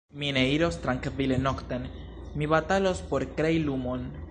Mi ne iros trankvile nokten, mi batalos por krei lumon.